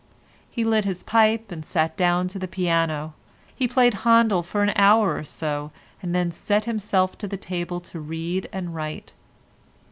He lit his pipe and sat down to the piano. He played Handel for an hour or so, and then set himself to the table to read and write.